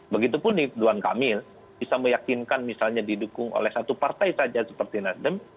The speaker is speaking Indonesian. begitupun ridwan kamil bisa meyakinkan misalnya didukung oleh satu partai saja seperti nasdem